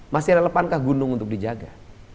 masih relevankah gunung untuk dijaga